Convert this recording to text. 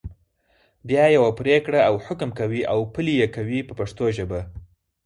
بیا یوه پرېکړه او حکم کوي او پلي یې کوي په پښتو ژبه.